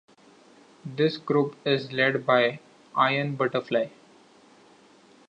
This group is led by Iron Butterfly.